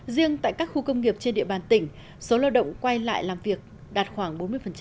riêng tại các khu công nghiệp trên địa bàn tỉnh số lao động quay lại làm việc đạt khoảng bốn mươi